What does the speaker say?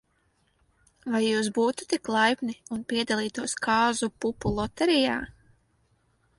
Vai jūs būtu tik laipni, un piedalītos kāzu pupu loterijā?